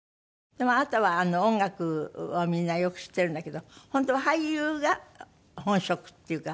でもあなたは音楽をみんなはよく知ってるんだけど本当は俳優が本職っていうか。